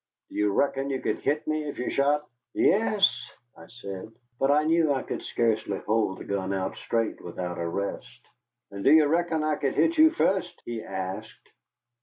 "Do you reckon you could hit me if you shot?" "Yes," I said. But I knew I could scarcely hold the gun out straight without a rest. "And do you reckon I could hit you fust?" he asked.